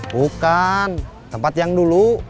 bukan tempat yang dulu